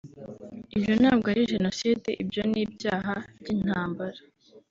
Ibyo ntabwo ari Jenoside ibyo ni ibyaha by’intambara